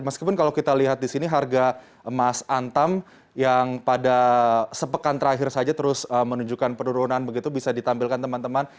meskipun kalau kita lihat di sini harga emas antam yang pada sepekan terakhir saja terus menunjukkan penurunan begitu bisa ditampilkan teman teman